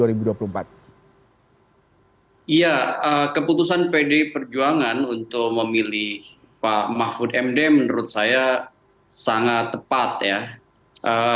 iya keputusan pdi perjuangan untuk memilih pak mahfud md menurut saya sangat tepat ya